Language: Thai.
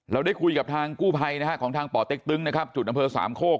ได้คุยกับทางกู้ภัยนะฮะของทางป่อเต็กตึงนะครับจุดอำเภอสามโคก